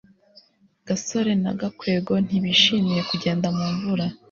gasore na gakwego ntibishimiye kugenda mu mvura